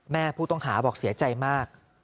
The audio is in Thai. แม่ผู้ต้องหาบอกเสียใจมาก